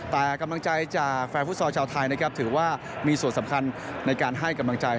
แต่กำลังใจจากแฟนฟุตซอลชาวไทยนะครับถือว่ามีส่วนสำคัญในการให้กำลังใจ